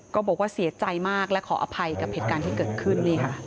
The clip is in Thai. ก็บอกว่าเสียใจมากและขออภัยกับเหตุการณ์ที่เกิดขึ้น